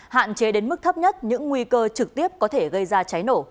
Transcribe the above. hạn chế đến mức thấp nhất những nguy cơ trực tiếp có thể gây ra cháy nổ